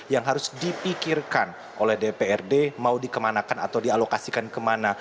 yang harus dipikirkan oleh dprd mau dikemanakan atau dialokasikan kemana